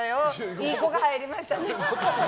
いい子が入りましたね。